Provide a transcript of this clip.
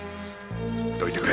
どいてくれ！